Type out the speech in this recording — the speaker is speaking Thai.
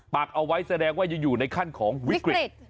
ักเอาไว้แสดงว่ายังอยู่ในขั้นของวิกฤต